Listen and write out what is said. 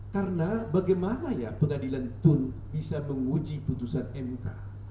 karena bagaimana ya pengadilan tun bisa menguji putusan mk